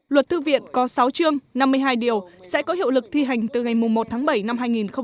luật thư viện có sáu chương năm mươi hai điều sẽ có hiệu lực thi hành từ ngày một tháng bảy năm hai nghìn hai mươi